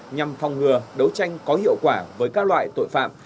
nhằm phòng ngừa đấu tranh có hiệu quả với các loại tội phạm